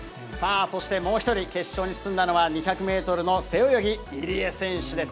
そしてもう１人、決勝に進んだのは、２００メートルの背泳ぎ、入江選手です。